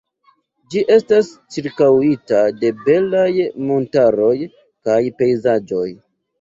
Ĝi estas ĉirkaŭita de belaj montaroj kaj pejzaĝoj.